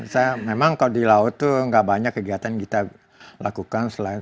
saya memang kalau di laut itu nggak banyak kegiatan yang kita lakukan selain